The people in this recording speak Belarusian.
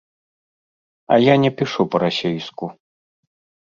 А я не пішу па-расейску.